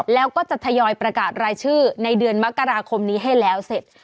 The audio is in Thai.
แล้วก็จะทยอยประกาศรายชื่อในเดือนมกราคมนี้ให้แล้วเสร็จ